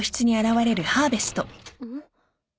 ん？